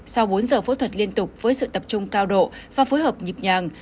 sau bốn giờ phẫu thuật liên tục với sự tập trung cao độ và phối hợp nhịp nhàng